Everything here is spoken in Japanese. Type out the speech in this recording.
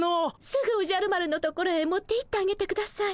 すぐおじゃる丸の所へ持っていってあげてください。